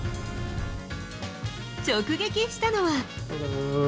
直撃したのは。